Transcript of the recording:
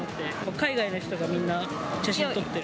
海外の人がみんな写真撮ってる。